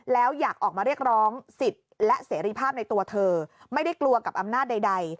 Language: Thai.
แล้วอยากออกมาเรียกร้องสิทธิ์และเสรีภาพในตัวเธอไม่ได้กลัวกับอำนาจใด